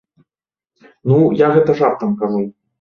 Ну, я гэта жартам кажу.